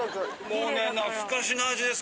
もうね懐かしの味です。